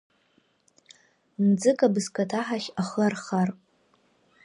Мҵык абызкаҭаҳахь ахы архар…